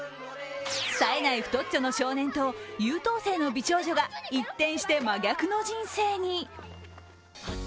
冴えない太っちょの少年と優等生の美少女が一転して真逆の人生に。